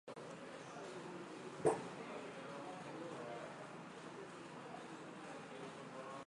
চলচ্চিত্রটির পরিচালক ছিলেন মণি রত্নম যিনি চলচ্চিত্রটির কাহিনীর সহ-লেখক এবং চলচ্চিত্রটির সহ-প্রযোজক ছিলেন।